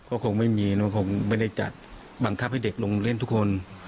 ก็คงไม่มีคงไม่ได้จัดบังคับให้เด็กลงเล่นทุกคน